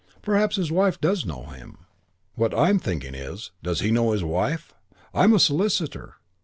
Perhaps his wife does know him. What I'm thinking is, does he know his wife? I'm a solicitor.